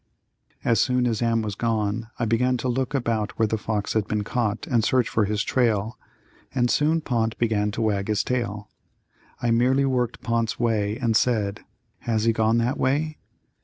As soon as Am was gone I began to look about where the fox had been caught and search for his trail, and soon Pont began to wag his tail. I merely worked Pont's way and said, "Has he gone that way?"